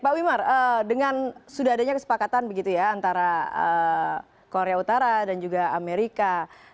pak wimar dengan sudah adanya kesepakatan begitu ya antara korea utara dan juga amerika